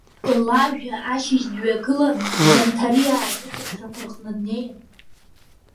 Лажәа ашьыжь дҩагылан, Занҭариаа рнышәынҭрақәа рҟны днеин…